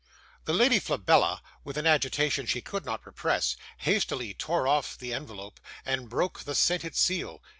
'The Lady Flabella, with an agitation she could not repress, hastily tore off the ENVELOPE and broke the scented seal.